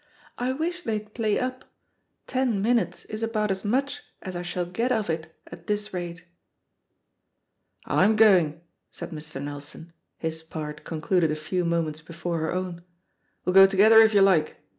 "I wish they'd play up ; ten minutes is about as much as I shall get of it, at this rate I" ^^Fm going," said Mr. Nelson; his part con cluded a few moments before her own; "we'll go together, if you like.